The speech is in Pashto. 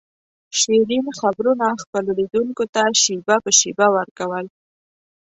شیرین خبرونه خپلو لیدونکو ته شېبه په شېبه ور کول.